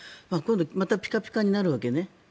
また今度ピカピカになるわけね。